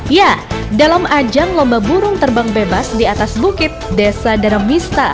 ya dalam ajang lomba burung terbang bebas di atas bukit desa daramista